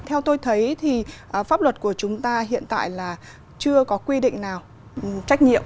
theo tôi thấy thì pháp luật của chúng ta hiện tại là chưa có quy định nào trách nhiệm